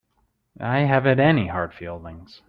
I haven't any hard feelings.